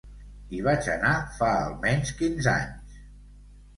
Hi vaig anar fa almenys quinze anys.